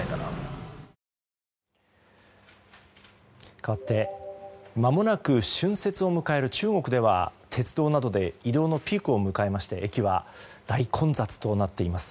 かわってまもなく春節を迎える中国では鉄道などで移動のピークを迎えまして駅は大混雑となっています。